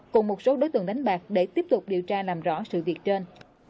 cùng một số đối tượng đánh bạc để tiếp tục điều tra làm rõ sự việc trên